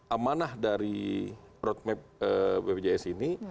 amanah dari roadmap bpjs ini